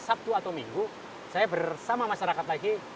sabtu atau minggu saya bersama masyarakat lagi